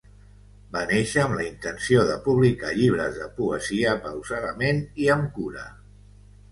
Va nàixer amb la intenció de publicar llibres de poesia pausadament i amb cura.